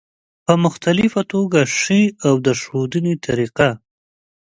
په مختلفه توګه ښي او د ښودنې طریقه